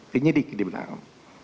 penyidik dia bilang